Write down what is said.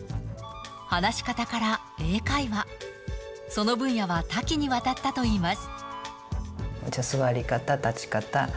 話し方から英会話、その分野は多岐にわたったといいます。